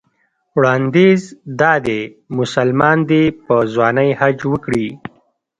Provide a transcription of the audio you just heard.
وړاندیز دا دی مسلمان دې په ځوانۍ حج وکړي.